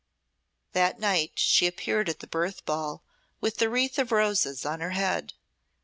That night she appeared at the birth night ball with the wreath of roses on her head.